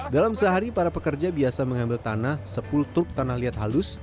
dalam sehari para pekerja biasa mengambil tanah sepuluh truk tanah liat halus